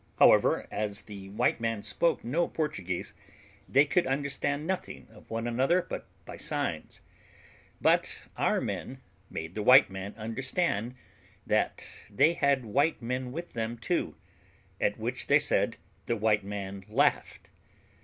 However, as the white man spoke no Portuguese, they could understand nothing of one another but by signs; but our men made the white man understand that they had white men with them too, at which they said the white man laughed.